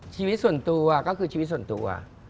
ชีวิตส่วนตัวก็คือชีวิตส่วนตัว